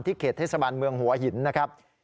เขตเทศบาลเมืองหัวหินนะครับ